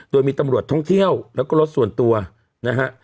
โดยมีตำรวจท่องเที่ยวแล้วก็รถส่วนตัวนะฮะ